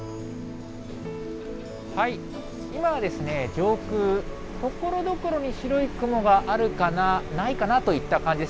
今ですね、上空ところどころに白い雲があるかな、ないかなといった感じです。